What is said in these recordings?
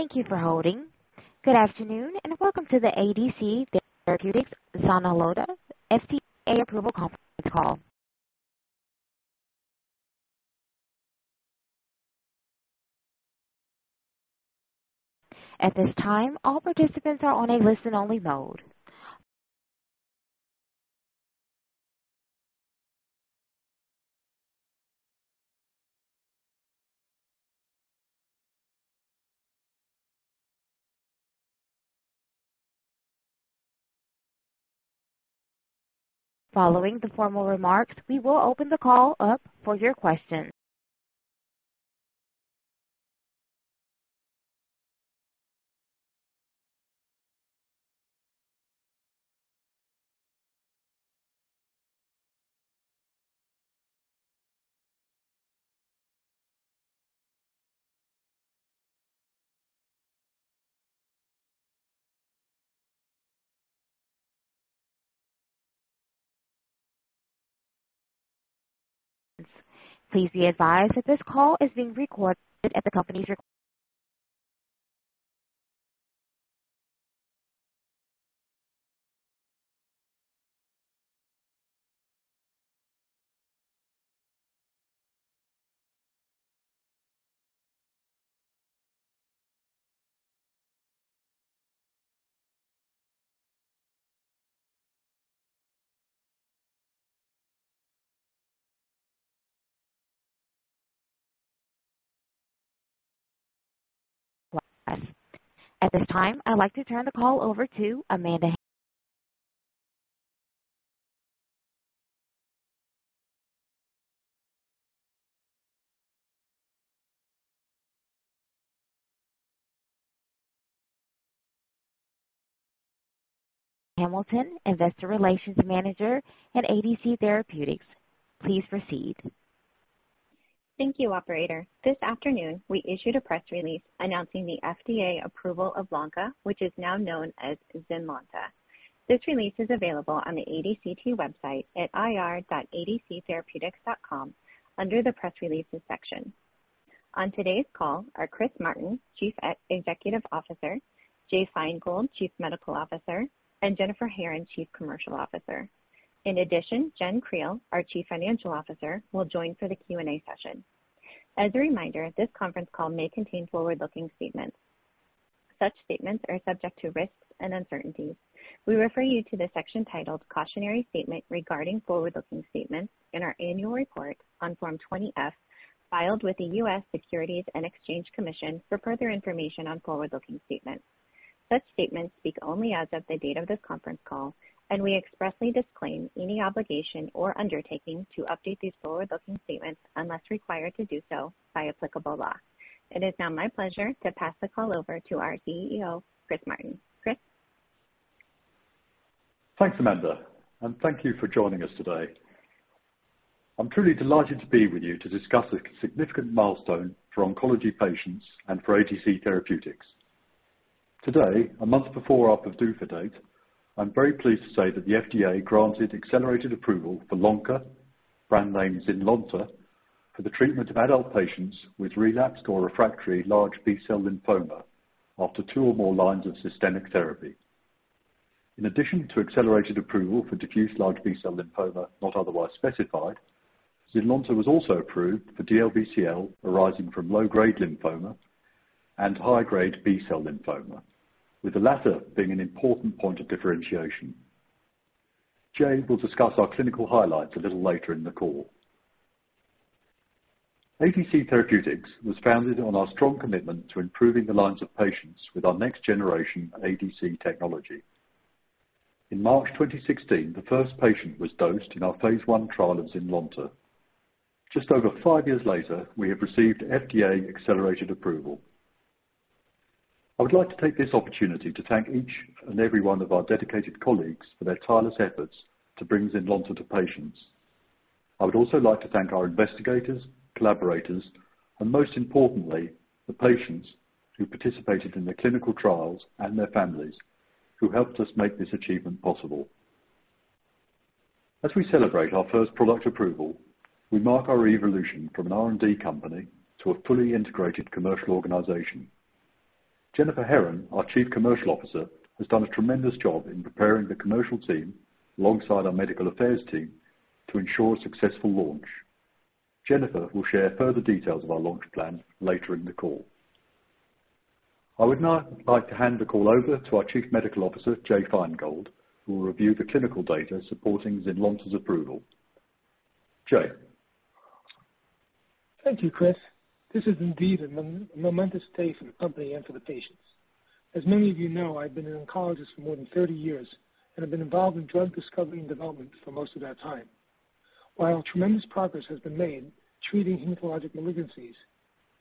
Thank you for holding. Good afternoon, and welcome to the ADC Therapeutics ZYNLONTA FDA Approval Conference Call. At this time, all participants are on a listen-only mode. Following the formal remarks, we will open the call up for your questions. Please be advised that this call is being recorded. At this time, I'd like to turn the call over to Amanda Hamilton, Investor Relations Manager at ADC Therapeutics. Please proceed. Thank you, operator. This afternoon, we issued a press release announcing the FDA approval of lonca, which is now known as ZYNLONTA. This release is available on the ADCT website at ir.adctherapeutics.com under the Press Releases section. On today's call are Chris Martin, Chief Executive Officer, Jay Feingold, Chief Medical Officer, and Jennifer Herron, Chief Commercial Officer. In addition, Jenn Creel, our Chief Financial Officer, will join for the Q&A session. As a reminder, this conference call may contain forward-looking statements. Such statements are subject to risks and uncertainties. We refer you to the section titled "Cautionary Statement Regarding Forward-Looking Statements" in our annual report on Form 20-F filed with the U.S. Securities and Exchange Commission for further information on forward-looking statements. Such statements speak only as of the date of this conference call, and we expressly disclaim any obligation or undertaking to update these forward-looking statements unless required to do so by applicable law. It is now my pleasure to pass the call over to our CEO, Chris Martin. Chris? Thanks, Amanda. Thank you for joining us today. I'm truly delighted to be with you to discuss a significant milestone for oncology patients and for ADC Therapeutics. Today, a month before our PDUFA date, I'm very pleased to say that the FDA granted accelerated approval for lonca, brand name ZYNLONTA, for the treatment of adult patients with relapsed or refractory large B-cell lymphoma after two or more lines of systemic therapy. In addition to accelerated approval for diffuse large B-cell lymphoma not otherwise specified, ZYNLONTA was also approved for DLBCL arising from low-grade lymphoma and high-grade B-cell lymphoma, with the latter being an important point of differentiation. Jay will discuss our clinical highlights a little later in the call. ADC Therapeutics was founded on our strong commitment to improving the lives of patients with our next-generation ADC technology. In March 2016, the first patient was dosed in our phase I trial of ZYNLONTA. Just over five years later, we have received FDA accelerated approval. I would like to take this opportunity to thank each and every one of our dedicated colleagues for their tireless efforts to bring ZYNLONTA to patients. I would also like to thank our investigators, collaborators, and most importantly, the patients who participated in the clinical trials and their families who helped us make this achievement possible. As we celebrate our first product approval, we mark our evolution from an R&D company to a fully integrated commercial organization. Jennifer Herron, our Chief Commercial Officer, has done a tremendous job in preparing the commercial team alongside our medical affairs team to ensure a successful launch. Jennifer will share further details of our launch plan later in the call. I would now like to hand the call over to our Chief Medical Officer, Jay Feingold, who will review the clinical data supporting ZYNLONTA's approval. Jay? Thank you, Chris. This is indeed a momentous day for the company and for the patients. As many of you know, I've been an oncologist for more than 30 years and have been involved in drug discovery and development for most of that time. While tremendous progress has been made treating hematologic malignancies,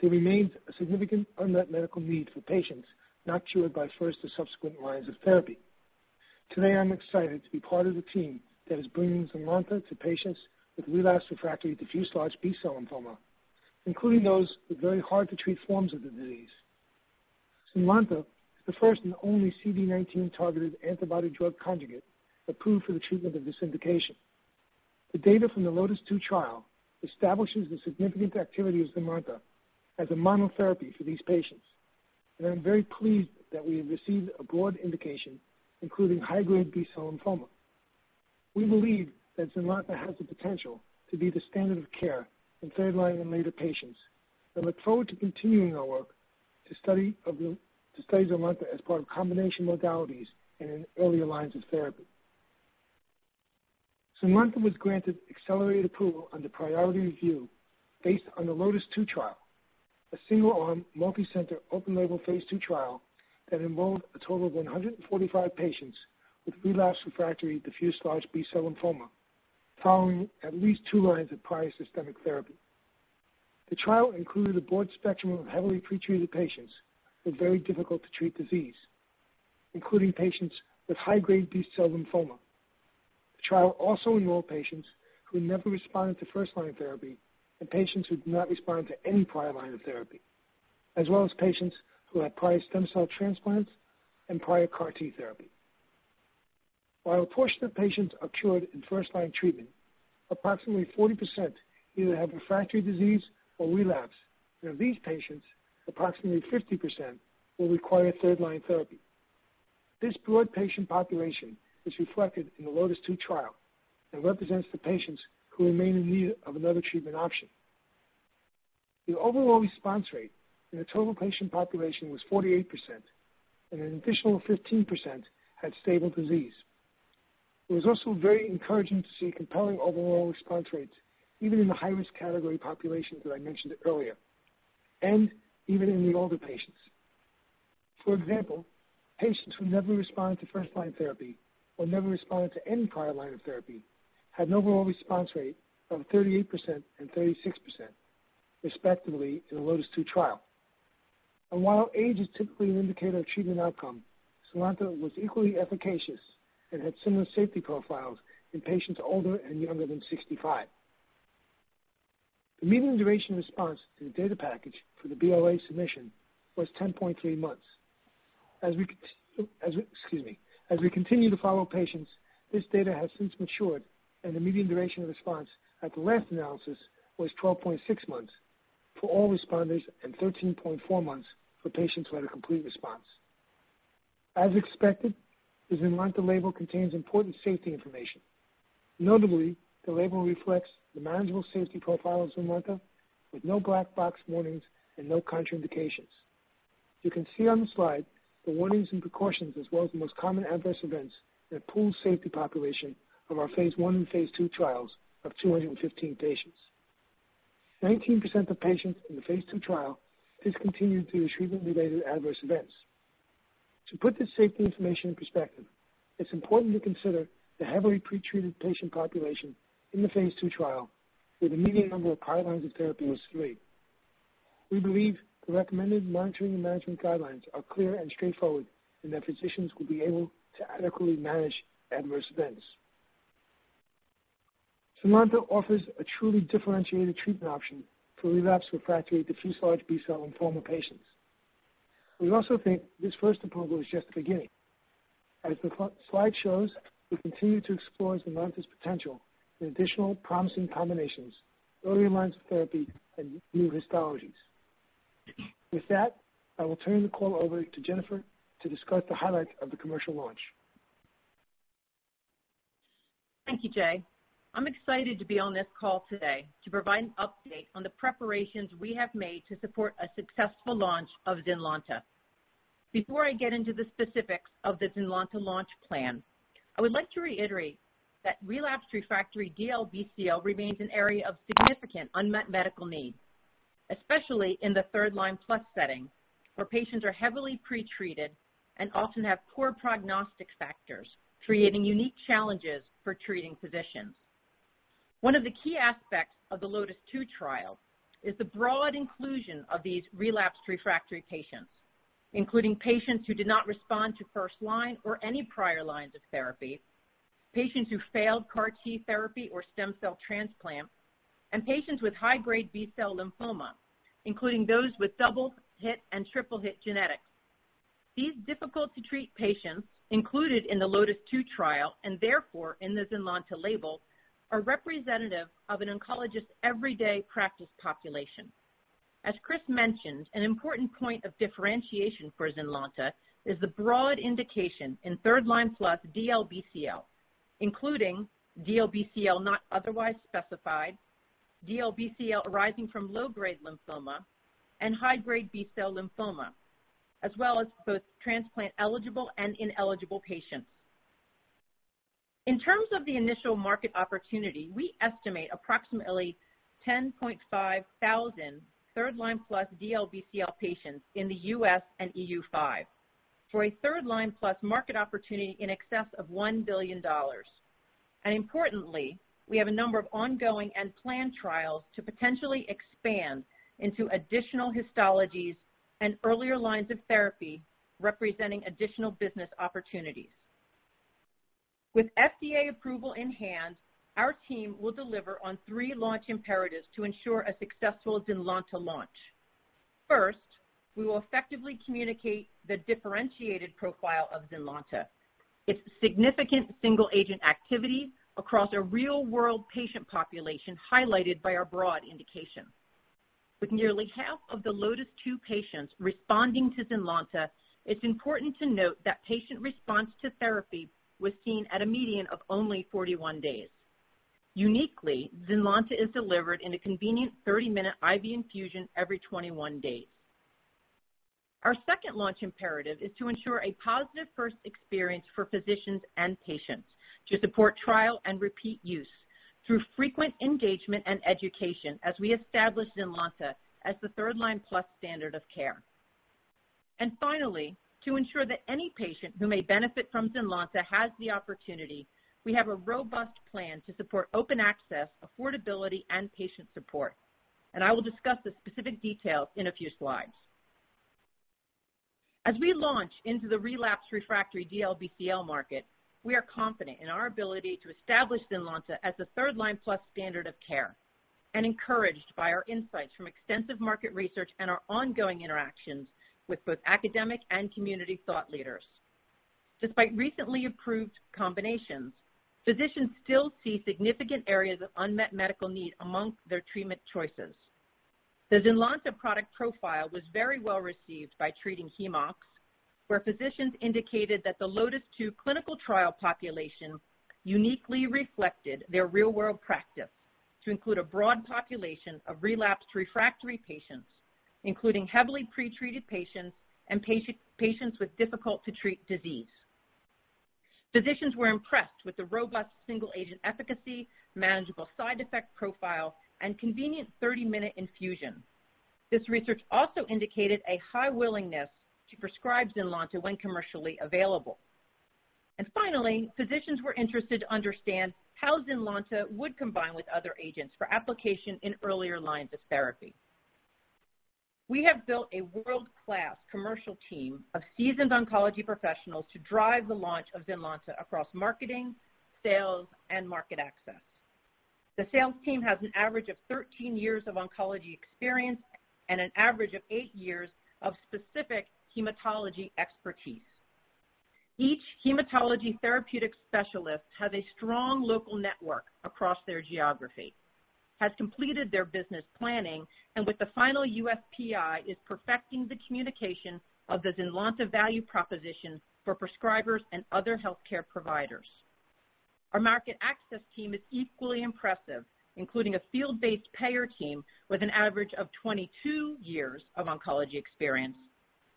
there remains a significant unmet medical need for patients not cured by first or subsequent lines of therapy. Today, I'm excited to be part of the team that is bringing ZYNLONTA to patients with relapsed/refractory diffuse large B-cell lymphoma, including those with very hard-to-treat forms of the disease. ZYNLONTA is the first and only CD19-targeted antibody drug conjugate approved for the treatment of this indication. The data from the LOTIS-2 trial establishes the significant activity of ZYNLONTA as a monotherapy for these patients, and I'm very pleased that we have received a broad indication, including high-grade B-cell lymphoma. We believe that ZYNLONTA has the potential to be the standard of care in third-line and later patients and look forward to continuing our work to study ZYNLONTA as part of combination modalities in earlier lines of therapy. ZYNLONTA was granted accelerated approval under priority review based on the LOTIS-2, a single-arm, multicenter, open-label phase II trial that enrolled a total of 145 patients with relapsed refractory diffuse large B-cell lymphoma following at least two lines of prior systemic therapy. The trial included a broad spectrum of heavily pretreated patients with very difficult-to-treat disease, including patients with high-grade B-cell lymphoma. The trial also enrolled patients who never responded to first-line therapy and patients who did not respond to any prior line of therapy, as well as patients who had prior stem cell transplants and prior CAR T therapy. While a portion of patients are cured in first-line treatment, approximately 40% either have refractory disease or relapse. Of these patients, approximately 50% will require third-line therapy. This broad patient population is reflected in the LOTIS-2 trial and represents the patients who remain in need of another treatment option. The overall response rate in the total patient population was 48%, and an additional 15% had stable disease. It was also very encouraging to see compelling overall response rates, even in the high-risk category populations that I mentioned earlier, and even in the older patients. For example, patients who never responded to first-line therapy or never responded to any prior line of therapy had an overall response rate of 38% and 36%, respectively, in the LOTIS-2 trial. While age is typically an indicator of treatment outcome, ZYNLONTA was equally efficacious and had similar safety profiles in patients older and younger than 65. The median duration response in the data package for the BLA submission was 10.3 months. As we continue to follow patients, this data has since matured, and the median duration of response at the last analysis was 12.6 months for all responders and 13.4 months for patients who had a complete response. As expected, the ZYNLONTA label contains important safety information. Notably, the label reflects the manageable safety profile of ZYNLONTA with no black box warnings and no contraindications. You can see on the slide the warnings and precautions as well as the most common adverse events in a pooled safety population of our phase I and phase II trials of 215 patients. 19% of patients in the phase II trial discontinued due to treatment-related adverse events. To put this safety information in perspective, it's important to consider the heavily pretreated patient population in the phase II trial, where the median number of prior lines of therapy was three. We believe the recommended monitoring and management guidelines are clear and straightforward and that physicians will be able to adequately manage adverse events. ZYNLONTA offers a truly differentiated treatment option for relapsed refractory diffuse large B-cell lymphoma patients. We also think this first approval is just the beginning. As the slide shows, we continue to explore ZYNLONTA's potential in additional promising combinations, earlier lines of therapy, and new histologies. With that, I will turn the call over to Jennifer to discuss the highlight of the commercial launch. Thank you, Jay. I'm excited to be on this call today to provide an update on the preparations we have made to support a successful launch of ZYNLONTA. Before I get into the specifics of the ZYNLONTA launch plan, I would like to reiterate that relapsed refractory DLBCL remains an area of significant unmet medical need, especially in the third-line-plus setting, where patients are heavily pretreated and often have poor prognostic factors, creating unique challenges for treating physicians. One of the key aspects of the LOTIS-2 trial is the broad inclusion of these relapsed refractory patients, including patients who did not respond to first-line or any prior lines of therapy, patients who failed CAR T therapy or stem cell transplant, and patients with high-grade B-cell lymphoma, including those with double-hit and triple-hit genetics. These difficult-to-treat patients included in the LOTIS-2 trial, and therefore in the ZYNLONTA label, are representative of an oncologist's everyday practice population. As Chris mentioned, an important point of differentiation for ZYNLONTA is the broad indication in third-line plus DLBCL, including DLBCL not otherwise specified, DLBCL arising from low-grade lymphoma, and high-grade B-cell lymphoma, as well as both transplant-eligible and ineligible patients. In terms of the initial market opportunity, we estimate approximately 10.5 thousand third-line plus DLBCL patients in the U.S. and EU5 for a third-line plus market opportunity in excess of $1 billion. Importantly, we have a number of ongoing and planned trials to potentially expand into additional histologies and earlier lines of therapy, representing additional business opportunities. With FDA approval in hand, our team will deliver on three launch imperatives to ensure a successful ZYNLONTA launch. First, we will effectively communicate the differentiated profile of ZYNLONTA, its significant single-agent activity across a real-world patient population highlighted by our broad indication. With nearly 1/2 of the LOTIS-2 patients responding to ZYNLONTA, it's important to note that patient response to therapy was seen at a median of only 41 days. Uniquely, ZYNLONTA is delivered in a convenient 30-minute IV infusion every 21 days. Our second launch imperative is to ensure a positive first experience for physicians and patients to support trial and repeat use through frequent engagement and education as we establish ZYNLONTA as the third-line-plus standard of care. Finally, to ensure that any patient who may benefit from ZYNLONTA has the opportunity, we have a robust plan to support open access, affordability, and patient support. I will discuss the specific details in a few slides. As we launch into the relapsed refractory DLBCL market, we are confident in our ability to establish ZYNLONTA as a third-line plus standard of care and encouraged by our insights from extensive market research and our ongoing interactions with both academic and community thought leaders. Despite recently approved combinations, physicians still see significant areas of unmet medical need amongst their treatment choices. The ZYNLONTA product profile was very well-received by treating hem-oncs, where physicians indicated that the LOTIS-2 clinical trial population uniquely reflected their real-world practice to include a broad population of relapsed refractory patients, including heavily pretreated patients and patients with difficult-to-treat disease. Physicians were impressed with the robust single-agent efficacy, manageable side effect profile, and convenient 30-minute infusion. This research also indicated a high willingness to prescribe ZYNLONTA when commercially available. Finally, physicians were interested to understand how ZYNLONTA would combine with other agents for application in earlier lines of therapy. We have built a world-class commercial team of seasoned oncology professionals to drive the launch of ZYNLONTA across marketing, sales, and market access. The sales team has an average of 13 years of oncology experience and an average of eight years of specific hematology expertise. Each hematology therapeutic specialist has a strong local network across their geography, has completed their business planning, and with the final USPI, is perfecting the communication of the ZYNLONTA value proposition for prescribers and other healthcare providers. Our market access team is equally impressive, including a field-based payer team with an average of 22 years of oncology experience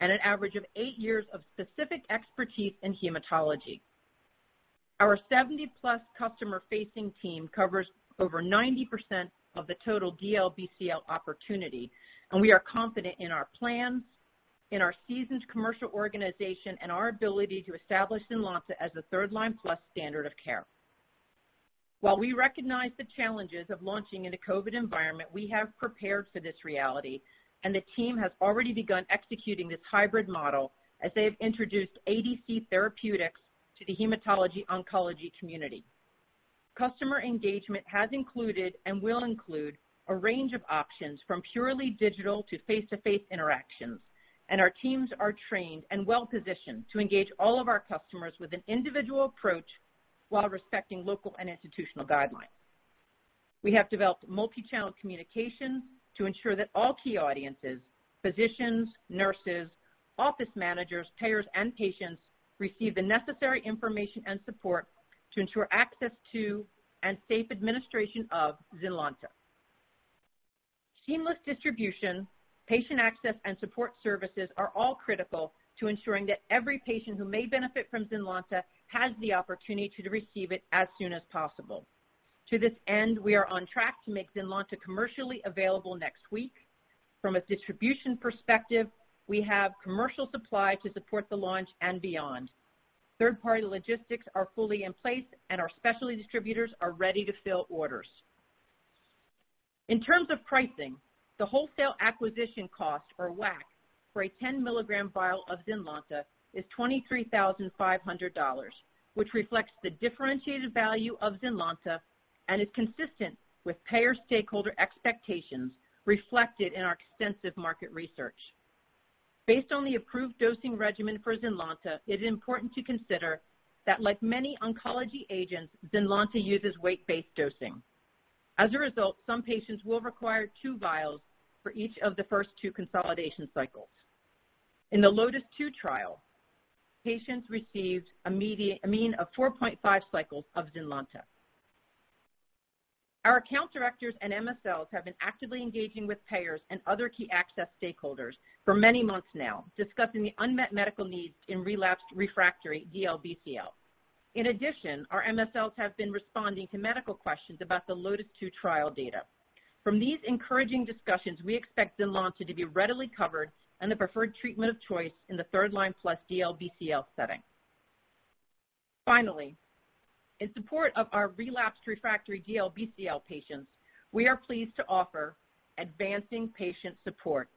and an average of eight years of specific expertise in hematology. Our 70+ customer-facing team covers over 90% of the total DLBCL opportunity, and we are confident in our plans, in our seasoned commercial organization, and our ability to establish ZYNLONTA as a third-line plus standard of care. While we recognize the challenges of launching in a COVID environment, we have prepared for this reality, and the team has already begun executing this hybrid model as they have introduced ADC Therapeutics to the hematology/oncology community. Customer engagement has included and will include a range of options from purely digital to face-to-face interactions, and our teams are trained and well-positioned to engage all of our customers with an individual approach while respecting local and institutional guidelines. We have developed multi-channel communications to ensure that all key audiences, physicians, nurses, office managers, payers, and patients, receive the necessary information and support to ensure access to and safe administration of ZYNLONTA. Seamless distribution, patient access, and support services are all critical to ensuring that every patient who may benefit from ZYNLONTA has the opportunity to receive it as soon as possible. To this end, we are on track to make ZYNLONTA commercially available next week. From a distribution perspective, we have commercial supply to support the launch and beyond. Third-party logistics are fully in place, and our specialty distributors are ready to fill orders. In terms of pricing, the wholesale acquisition cost, or WAC, for a 10 mg vial of ZYNLONTA is $23,500, which reflects the differentiated value of ZYNLONTA and is consistent with payer stakeholder expectations reflected in our extensive market research. Based on the approved dosing regimen for ZYNLONTA, it is important to consider that like many oncology agents, ZYNLONTA uses weight-based dosing. As a result, some patients will require two vials for each of the first two consolidation cycles. In the LOTIS-2 trial, patients received a mean of 4.5 cycles of ZYNLONTA. Our account directors and MSLs have been actively engaging with payers and other key access stakeholders for many months now, discussing the unmet medical needs in relapsed refractory DLBCL. Our MSLs have been responding to medical questions about the LOTIS-2 trial data. From these encouraging discussions, we expect ZYNLONTA to be readily covered and the preferred treatment of choice in the third-line plus DLBCL setting. Finally, in support of our relapsed refractory DLBCL patients, we are pleased to offer ADVANCING Patient Support,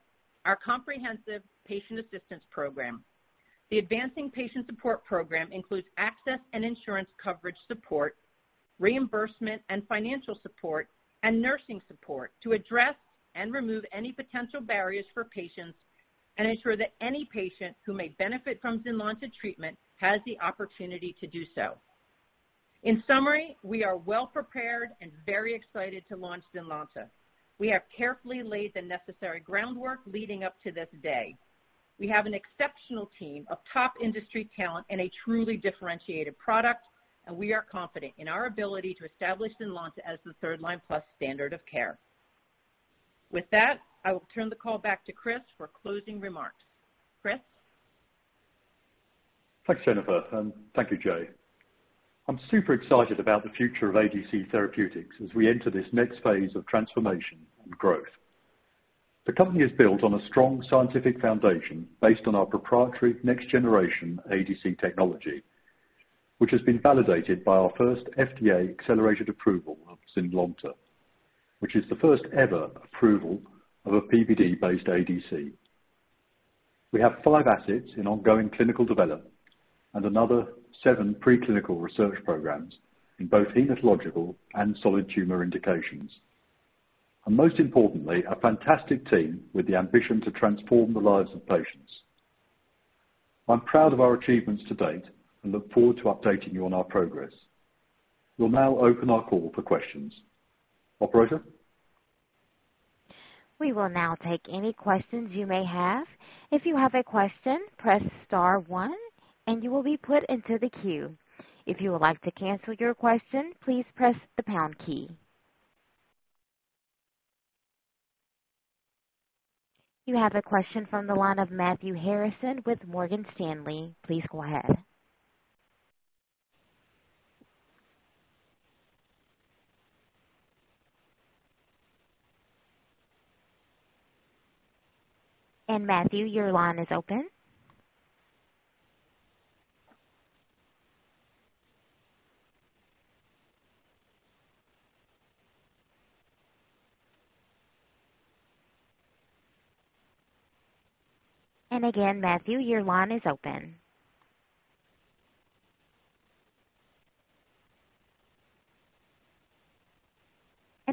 our comprehensive patient assistance program. The ADVANCING Patient Support program includes access and insurance coverage support, reimbursement and financial support, and nursing support to address and remove any potential barriers for patients and ensure that any patient who may benefit from ZYNLONTA treatment has the opportunity to do so. In summary, we are well-prepared and very excited to launch ZYNLONTA. We have carefully laid the necessary groundwork leading up to this day. We have an exceptional team of top industry talent and a truly differentiated product, and we are confident in our ability to establish ZYNLONTA as the third-line plus standard of care. With that, I will turn the call back to Chris for closing remarks. Chris? Thanks, Jennifer. Thank you, Jay. I'm super excited about the future of ADC Therapeutics as we enter this next phase of transformation and growth. The company is built on a strong scientific foundation based on our proprietary next-generation ADC technology, which has been validated by our first FDA accelerated approval of ZYNLONTA, which is the first ever approval of a PBD-based ADC. We have five assets in ongoing clinical development and another seven preclinical research programs in both hematological and solid tumor indications. Most importantly, a fantastic team with the ambition to transform the lives of patients. I'm proud of our achievements to date and look forward to updating you on our progress. We'll now open our call for questions. Operator? We will now take any questions you may have. If you have a question, press star one and you will be put into the queue. If you would like to cancel your question, please press the pound key. You have a question from the line of Matthew Harrison with Morgan Stanley. Please go ahead. Matthew, your line is open. Again, Matthew, your line is open.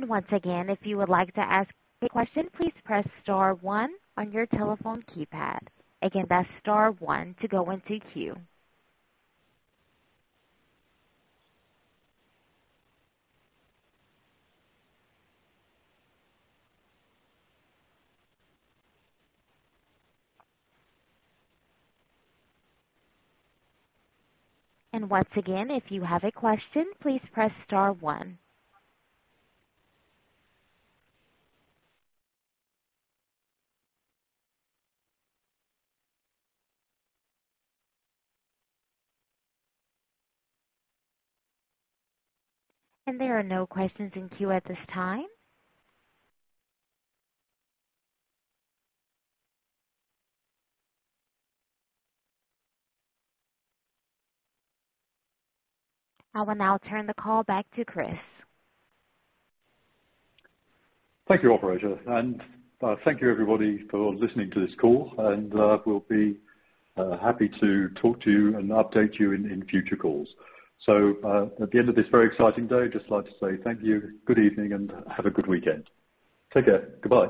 Once again, if you would like to ask a question, please press star one on your telephone keypad. Again, that's star one to go into queue. Once again, if you have a question, please press star one. There are no questions in queue at this time. I will now turn the call back to Chris. Thank you, operator. Thank you everybody for listening to this call. We'll be happy to talk to you and update you in future calls. At the end of this very exciting day, just like to say thank you, good evening, and have a good weekend. Take care. Goodbye.